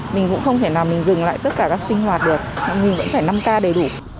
mình cũng không thể nào mình dừng lại tất cả các sinh hoạt được nhưng mình vẫn phải năm k đầy đủ